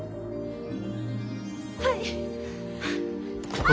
はい！